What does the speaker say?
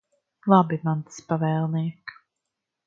Labi, mans pavēlniek.